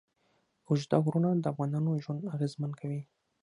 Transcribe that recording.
اوږده غرونه د افغانانو ژوند اغېزمن کوي.